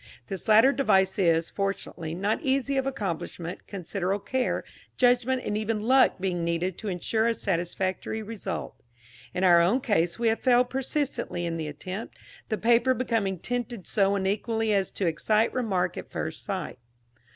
This latter device is, fortunately, not easy of accomplishment, considerable care, judgment and even luck being needed to ensure a satisfactory result. In our own case we have failed persistently in the attempt, the paper becoming tinted so unequally as to excite remark at first sight.